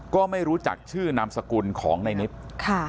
ก็ไม่รู้จักชื่อนามสกุลของในนิดค่ะ